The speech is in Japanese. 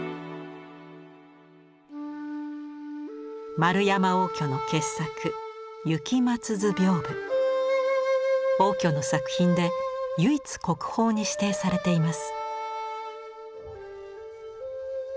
円山応挙の傑作応挙の作品で唯一国宝に指定されています。